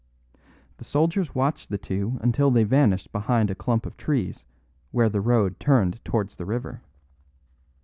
The soldiers watched the two until they vanished behind a clump of trees where the road turned towards the river.